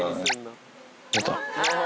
出た！